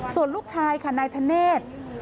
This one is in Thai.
ส่วนลูกชายค่ะนายธเนธ